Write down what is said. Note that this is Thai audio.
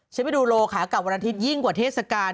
ไปดูโลขากลับวันอาทิตยิ่งกว่าเทศกาล